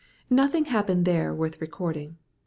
Nothing happened there worth recording.